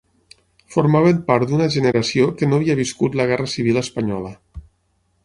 Formaven part d'una generació que no havia viscut la Guerra Civil Espanyola.